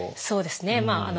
そうですねまあ